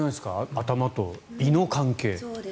頭と胃の関係。